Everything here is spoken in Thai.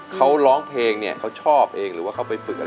เขาร้องเพลงเขาชอบเองหรือว่าเขาไปฝึกอะไรบ้าง